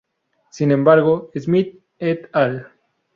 Sin embargo Smith "et al.